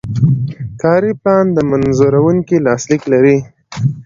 کاري پلان د منظوروونکي لاسلیک لري.